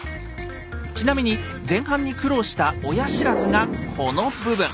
ちなみに前半に苦労した親不知がこの部分。